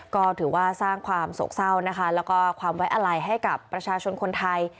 ก็ถือว่าสร้างความโศกเศร้านะคะแล้วก็ความไว้อะไรให้กับประชาชนคนไทย